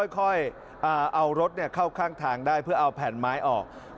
ค่อยเอารถเข้าข้างทางได้เพื่อเอาแผ่นไม้ออก